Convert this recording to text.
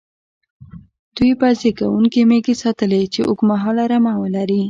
دوی به زېږوونکې مېږې ساتلې، چې اوږد مهاله رمه ولري.